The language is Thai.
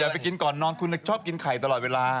ไปกินก่อนนอนคุณชอบกินไข่ตลอดเวลา